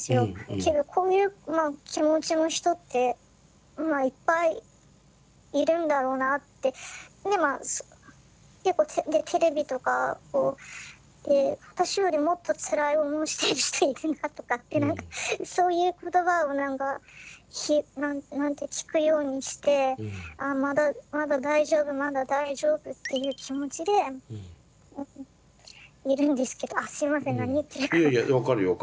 けどこういう気持ちの人っていっぱいいるんだろうなってでまあ結構テレビとかで私よりもっとつらい思いしてる人いるなとかってそういう言葉を聞くようにしてああまだ大丈夫まだ大丈夫っていう気持ちでいるんですけどあすみません何言ってるか。